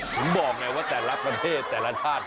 ถึงบอกไงว่าแต่ละประเทศแต่ละชาติ